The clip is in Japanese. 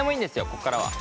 ここからは。